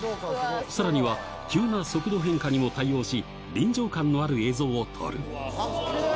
さらには、急な速度変化にも対応し、臨場感のある映像を撮る。